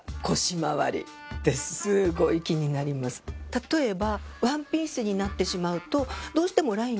例えば。